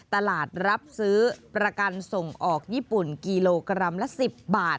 ตลาดรับซื้อประกันส่งออกญี่ปุ่นกิโลกรัมละ๑๐บาท